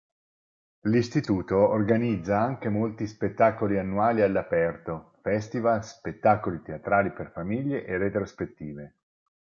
L'istituto organizza anche molti spettacoli annuali all'aperto, festival, spettacoli teatrali per famiglie e retrospettive.